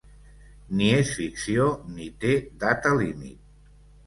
Ni és ficció ni té data límit.